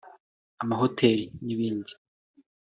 amahoteli n’ibindi